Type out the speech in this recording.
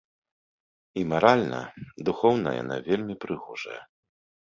І маральна, духоўна яна вельмі прыгожая.